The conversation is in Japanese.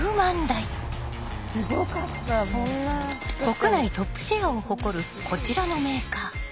国内トップシェアを誇るこちらのメーカー。